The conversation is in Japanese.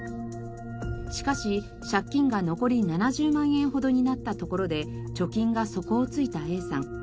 しかし借金が残り７０万円ほどになったところで貯金が底をついたＡさん。